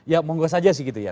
ya monggo saja sih gitu ya